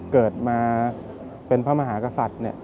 เกิดมาเป็นพระมหากษัตริย์